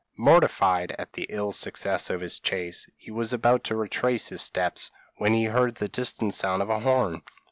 Mortified at the ill success of his chase, he was about to retrace his steps, when he heard the distant sound of a horn.